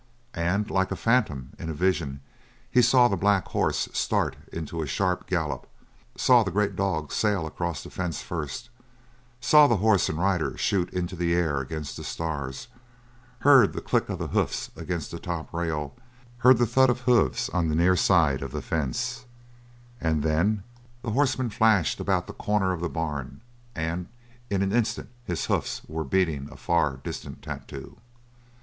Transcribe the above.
And like a phantom in a vision he saw the black horse start into a sharp gallop; saw the great dog sail across the fence first; saw the horse and rider shoot into the air against the stars; heard the click of hoofs against the top rail; heard the thud of hoofs on the near side of the fence, and then the horseman flashed about the corner of the barn and in an instant his hoofs were beating a far distant tattoo.